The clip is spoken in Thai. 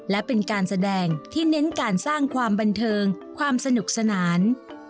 และเป็นการแสดงที่เน้นการสร้างความบันเทิงความสนุกสนาน